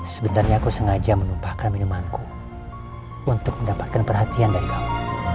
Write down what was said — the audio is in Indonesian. sebenarnya aku sengaja menumpahkan minumanku untuk mendapatkan perhatian dari kamu